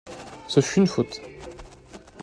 Ce fut une faute.